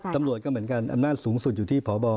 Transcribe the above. ตำรวจก็เหมือนกันอำนาจสูงสุดอยู่ที่พบ